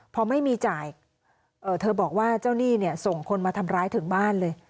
พอไม่มีจ่ายเธอบอกว่าเจ้าหนี้เนี่ยส่งคนมาทำร้ายถึงบ้านเลย